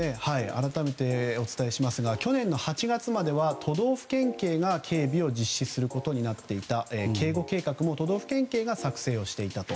改めてお伝えしますが去年の８月までは都道府県警が警護をすることになっていた警護計画も都道府県警が作成をしていたと。